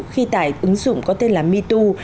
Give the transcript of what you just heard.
khi tải ứng dụng có tên là metoo